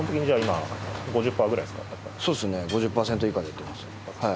そうですね５０％以下で売ってます